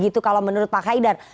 jadi kalau menurut pak khaydar